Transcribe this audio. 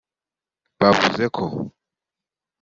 bavuze ko